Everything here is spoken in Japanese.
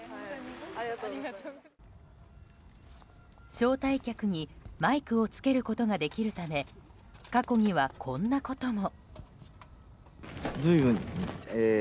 招待客にマイクをつけることができるため過去には、こんなことも。